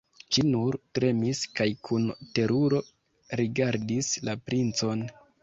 Ŝi nur tremis kaj kun teruro rigardis la princon.